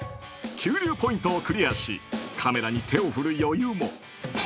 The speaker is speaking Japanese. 急流ポイントをクリアしカメラに手を振る余裕も。